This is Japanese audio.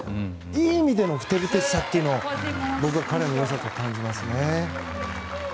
いい意味でのふてぶてしさというのが僕は彼の良さだと感じますね。